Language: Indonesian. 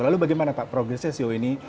lalu bagaimana pak progresnya sejauh ini